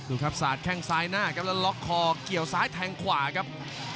ครับสาดแข้งซ้ายหน้าครับแล้วล็อกคอเกี่ยวซ้ายแทงขวาครับ